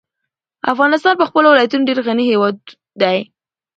افغانستان په خپلو ولایتونو ډېر غني هېواد دی.